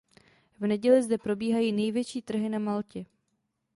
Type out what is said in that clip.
V neděli zde probíhají největší trhy na Maltě.